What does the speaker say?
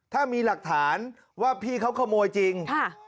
ถ้ามีหลักฐานว่าพี่เขาขโมยจริง